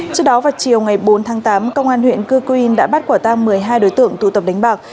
trước đó vào chiều ngày bốn tháng tám công an huyện cư quyên đã bắt quả tang một mươi hai đối tượng tụ tập đánh bạc